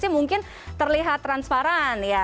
mungkin terlihat transparan ya